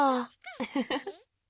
ウフフフ。